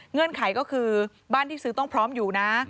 เงื่อนไขก็คือบ้านที่ซื้อต้องพร้อมอยู่นะ